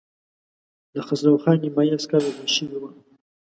د خسرو خان نيمايي عسکر وژل شوي وو.